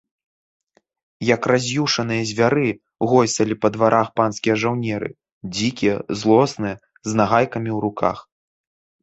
Як раз'юшаныя звяры, гойсалі па дварах панскія жаўнеры, дзікія, злосныя, з нагайкамі ў руках.